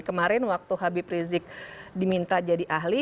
kemarin waktu habib rizik diminta jadi ahli